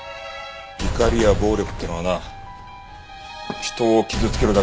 怒りや暴力ってのはな人を傷つけるだけじゃない。